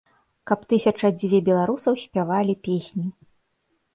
Каб тысяча-дзве беларусаў спявалі песні.